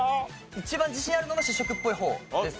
一番自信あるのが主食っぽい方です。